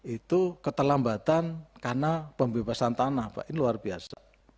dua ribu sembilan belas itu keterlambatan karena pembebasan tanah pak ini luar biasa